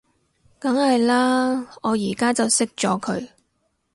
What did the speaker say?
梗係喇，我而家就熄咗佢